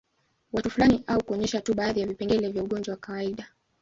Watu fulani au kuonyesha tu baadhi ya vipengele vya ugonjwa wa kawaida